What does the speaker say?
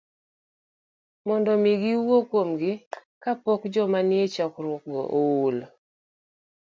mondo omi giwuo kuomgi kapok joma nie chokruok go ool